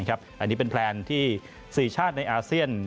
อันนี้เป็นแพลนที่๔ชาติในอาเซียน